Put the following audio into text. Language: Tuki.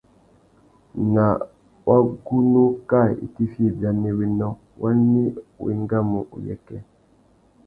Ná wagunú kā itifiya ibianéwénô, wani wá engamú uyêkê? .